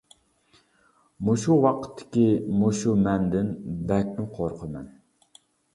مۇشۇ ۋاقىتتىكى، مۇشۇ «مەن» دىن بەكمۇ قورقىمەن.